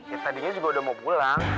ya tadinya juga udah mau pulang